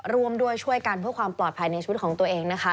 ร่วมด้วยช่วยกันเพื่อความปลอดภัยในชีวิตของตัวเองนะคะ